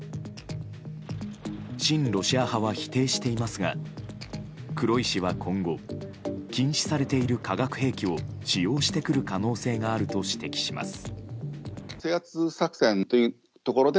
親ロシア派否定していますが黒井氏は今後禁止されている化学兵器を使用してくる可能性があると指摘します。